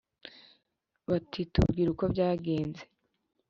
bati : tubwire uko byagenze’